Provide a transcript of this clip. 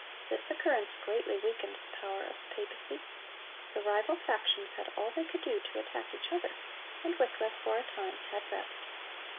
This occurrence greatly weakened the power of the papacy. The rival factions had all they could do to attack each other, and Wycliffe for a time had rest.